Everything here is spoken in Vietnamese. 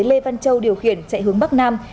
lê văn châu điều khiển chạy hướng bắc nam